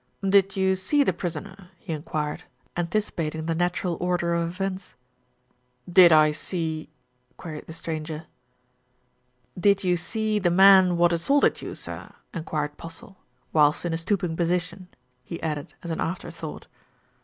"Did you see the prisoner?" he enquired, anticipat ing the natural order of events. "Did I see?" queried the stranger. "Did you see the man what assaulted you, sir?" en quired Postle, "whilst in a stooping position," he added as an afterthought.